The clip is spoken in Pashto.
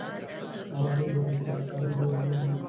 ملالۍ به د فداکارۍ لویه بیلګه وي.